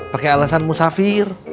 pake alasan musafir